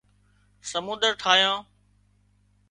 سمنۮر ٺاهيان